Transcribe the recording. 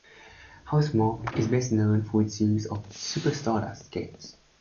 Housemarque is best known for its series of "Super Stardust" games.